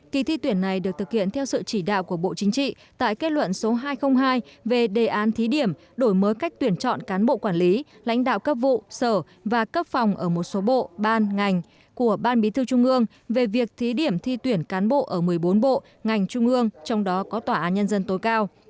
kỳ thi tuyển này được thực hiện theo sự chỉ đạo của bộ chính trị tại kết luận số hai trăm linh hai về đề án thí điểm đổi mới cách tuyển chọn cán bộ quản lý lãnh đạo cấp vụ sở và cấp phòng ở một số bộ ban ngành của ban bí thư trung ương về việc thí điểm thi tuyển cán bộ ở một mươi bốn bộ ngành trung ương trong đó có tòa án nhân dân tối cao